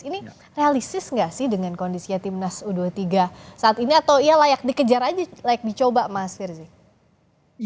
ini realistis nggak sih dengan kondisinya timnas u dua puluh tiga saat ini atau ya layak dikejar aja layak dicoba mas firzi